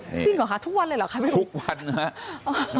เลยหรอคะทุกวันเลยหรอทุกวันฮะ